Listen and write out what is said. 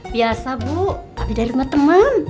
biasa bu tapi dari rumah teman